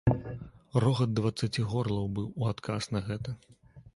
Рогат дваццаці горлаў быў у адказ на гэта.